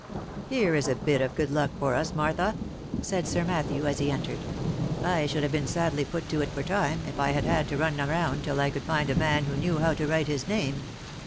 " Here is a bit of good luck for us, Martha," said Sir Matthew, as he entered, " I should have been sadly put to it for time, if I had had to run about till I could find a man who knew how to write his name.